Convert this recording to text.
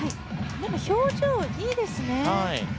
表情、いいですね。